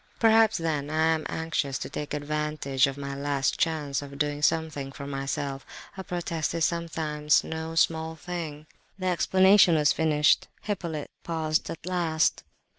"Perhaps then I am anxious to take advantage of my last chance of doing something for myself. A protest is sometimes no small thing." The explanation was finished; Hippolyte paused at last.